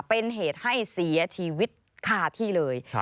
เป็นเหตุให้เสียชีวิตคาที่เลย